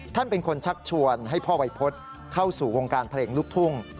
ท่านเป็นคนชักชวนให้พ่อวัยพฤษเข้าสู่วงการเพลงลูกทุ่ง